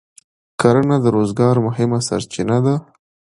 کرنه د روزګار مهمه سرچینه ده.